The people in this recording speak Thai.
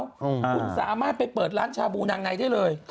คุณสามารถไปเปิดร้านชาบูนางในได้เลย